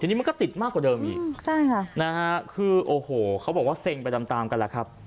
ทีนี้มันก็ติดมากกว่าเดิมอีกใช่ค่ะนะฮะคือโอ้โหเขาบอกว่าเซ็งไปตามตามกันแล้วครับ